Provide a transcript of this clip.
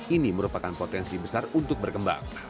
ini merupakan potensi besar untuk berkembang